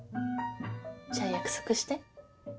じゃあ約束して。